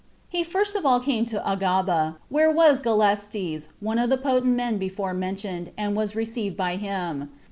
He first of all came to Agaba, where was Galestes, one of the potent men before mentioned, and was received by him.